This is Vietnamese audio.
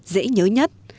dễ nhớ nhất